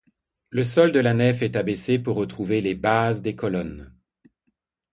Le sol de la nef est abaissé pour retrouver les bases des colonnes.